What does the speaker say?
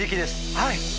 はい。